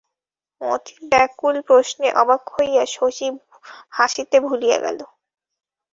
মতির ব্যাকুল প্রশ্নে অবাক হইয়া শশী হাসিতে ভুলিয়া গেল।